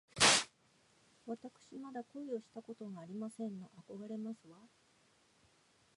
わたくしまだ恋をしたことがありませんの。あこがれますわ